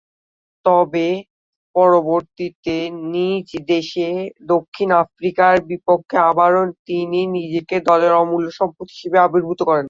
তবে, পরবর্তীতে নিজ দেশে দক্ষিণ আফ্রিকার বিপক্ষে আবারও তিনি নিজেকে দলের অমূল্য সম্পদ হিসেবে আবির্ভূত করেন।